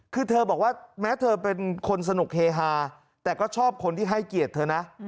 คือเธอบอกว่าแม้เธอเป็นคนสนุกเฮฮาแต่ก็ชอบคนที่ให้เกียรติเธอนะ